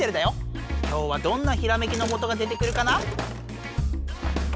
今日はどんなひらめきのもとが出てくるかな？